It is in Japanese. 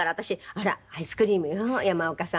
「あらアイスクリームよ山岡さん」。